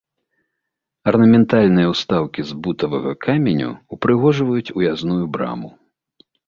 Арнаментальныя ўстаўкі з бутавага каменю ўпрыгожваюць уязную браму.